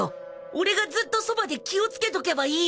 俺がずっとそばで気を付けとけばいい！